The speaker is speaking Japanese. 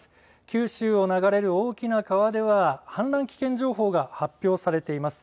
九州を流れる大きな川では、氾濫危険情報が発表されています。